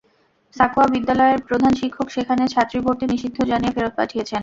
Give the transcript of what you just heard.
সাঁকোয়া বিদ্যালয়ের প্রধান শিক্ষক সেখানে ছাত্রী ভর্তি নিষিদ্ধ জানিয়ে ফেরত পাঠিয়েছেন।